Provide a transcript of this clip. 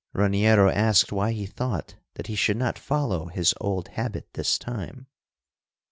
Raniero asked why he thought that he should not follow his old habit this time.